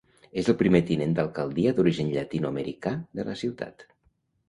És el primer tinent d'alcaldia d'origen llatinoamericà de la ciutat.